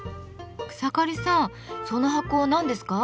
草刈さんその箱何ですか？